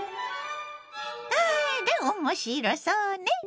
あら面白そうね。